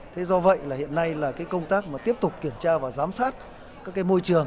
thế do vậy là hiện nay là cái công tác mà tiếp tục kiểm tra và giám sát các cái môi trường